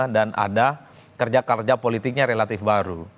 dan ada kerja kerja politiknya relatif baru